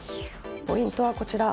ポイントはこちら。